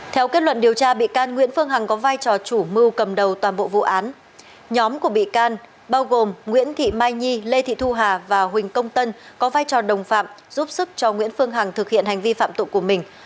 theo kết luận điều tra bị can nguyễn phương hằng có vai trò chủ mưu cầm đầu toàn bộ vụ án nhóm của bị can bao gồm nguyễn thị mai nhi lê thị thu hà và huỳnh công tân có vai trò đồng phạm giúp sức cho nguyễn phương hằng thực hiện hành vi phạm tội của mình